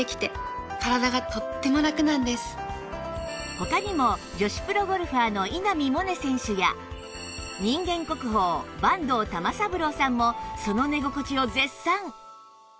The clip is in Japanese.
他にも女子プロゴルファーの稲見萌寧選手や人間国宝坂東玉三郎さんもその寝心地を絶賛